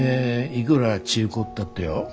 いくら中古ったってよ